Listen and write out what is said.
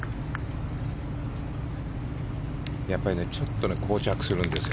やっぱりちょっとこう着するんです